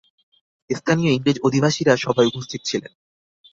স্থানীয় ইংরেজ অধিবাসীরা সভায় উপস্থিত ছিলেন।